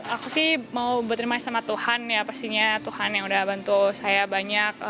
aku sih mau berterima sama tuhan ya pastinya tuhan yang udah bantu saya banyak